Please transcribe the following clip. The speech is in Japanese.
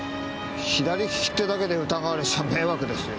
左利きってだけで疑われちゃ迷惑ですよ。